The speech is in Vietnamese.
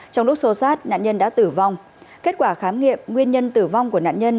trong lúc xô sát nạn nhân đã tử vong kết quả khám nghiệm nguyên nhân tử vong của nạn nhân